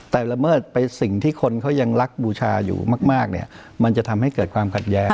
แต่ละเมิดไปสิ่งที่คนเขายังรักบูชาอยู่มากเนี่ยมันจะทำให้เกิดความขัดแย้ง